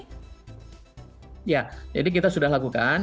ya jadi kita sudah lakukan jadi kita sudah lakukan jadi kita sudah lakukan